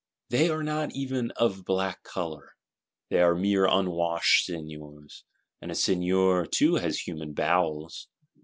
They are not even of black colour; they are mere Unwashed Seigneurs; and a Seigneur too has human bowels!